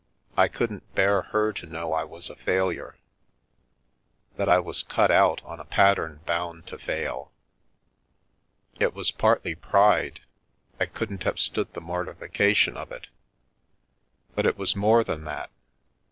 I couldn't bear her to know I was a failure — that I was cut out on a pattern bound to fail. It was partly pride, I couldn't have stood the mortification of it, but it was more than that.